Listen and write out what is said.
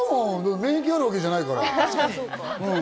免疫あるわけじゃないから。